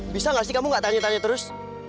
bisa nggak sih kamu gak tanya tanya terus